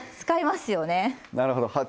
使いますね。